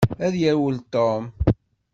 Ad yerwel Tom.